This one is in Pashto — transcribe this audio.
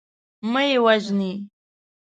مه یې وژنی.